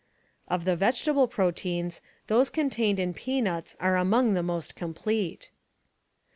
Of the vegetable proteins, those contained in peanuts are" among the most complete.